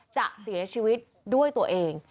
จะเสียชีวิตด้วยตัวเอง